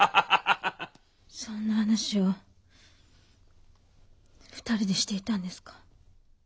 そんな話を２人でしていたんですか？